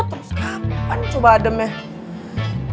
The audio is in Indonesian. terus kapan coba ademnya